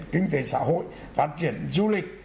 kinh tế xã hội phát triển du lịch